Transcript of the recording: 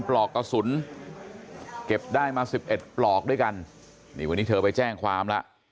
ปลอกกระสุนเก็บได้มา๑๑ปลอกด้วยกันวันนี้เธอไปแจ้งความละ